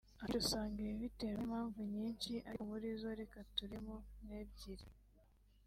Akenshi usanga ibi biterwa n’impamvu nyinshi ariko muri zo reka turebemo nk’ebyiri